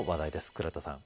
倉田さん。